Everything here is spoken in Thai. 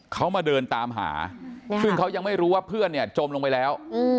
เขามาเดินตามหาซึ่งเขายังไม่รู้ว่าเพื่อนเนี่ยจมลงไปแล้ว